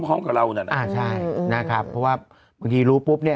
พี่โมดรู้สึกไหมพี่โมดรู้สึกไหมพี่โมดรู้สึกไหมพี่โมดรู้สึกไหม